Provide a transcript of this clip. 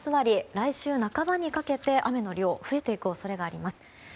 来週半ばにかけて雨の量が増えてくる可能性があります。